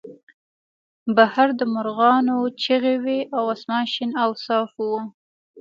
بهر د مرغانو چغې وې او اسمان شین او صاف و